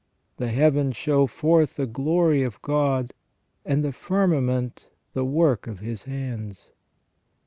The heavens show forth the glory of God; and the firmament the work of His hands."